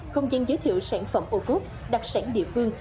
không gian giới thiệu sản phẩm ô cốt đặc sản địa phương